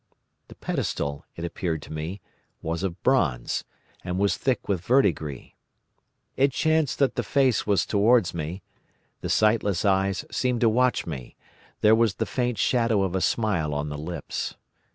The pedestal, it appeared to me, was of bronze, and was thick with verdigris. It chanced that the face was towards me; the sightless eyes seemed to watch me; there was the faint shadow of a smile on the lips.